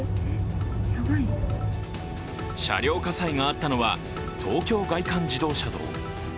車両火災があったのは東京外環自動車道。